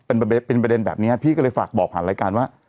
เป็นประเด็นแบบนี้พี่ก็เลยฝากบอกผ่านรายการว่า